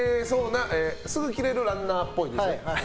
すぐキレるランナーっぽいで。